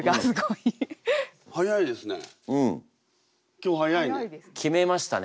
今日早いね。